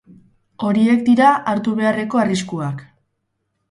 Horiek dira hartu beharreko arriskuak.